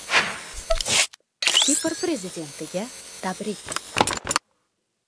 Kipr Prezidentiga tabrik